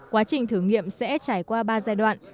quá trình thử nghiệm sẽ trải qua ba giai đoạn